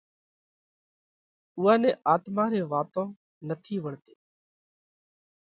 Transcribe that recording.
اُوئا نئہ آتما ري واتون نٿِي وڻتي۔